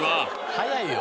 早いよ。